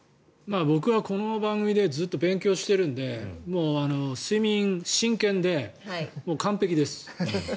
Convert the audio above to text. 僕はこの番組でずっと勉強しているんでもう睡眠に真剣でもう完璧です。